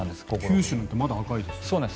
九州なんてまだ赤いですよ。